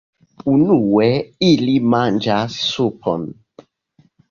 Unue ili manĝas supon.